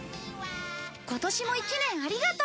今年も１年ありがとう！